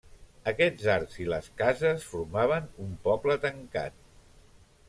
Aquests arcs i les cases formaven un poble tancat.